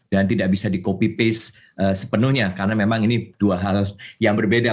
dan tidak bisa di copy paste sepenuhnya karena memang ini dua hal yang berbeda